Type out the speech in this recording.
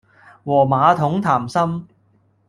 和馬桶談心